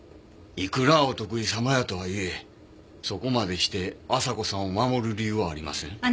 いくらお得意様やとはいえそこまでして朝子さんを守る理由はありません。